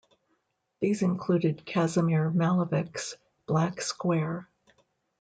These included Kazimir Malevich's "Black Square".